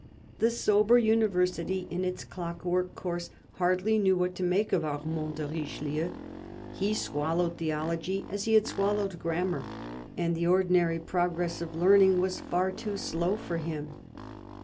The sober University, in its clock work course, hardly knew what to make of Armand de Richelieu. He swallowed theology as he had swallowed grammar, and the ordinary progress of learning was far too slow for him.